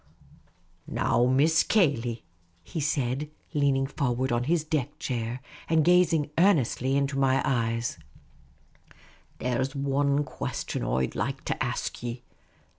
" Now, Miss Cayley," he said, leaning for ward on his deck chair, and gazing earnestly into my eyes, " there 's wan question I 'd like to ask ye.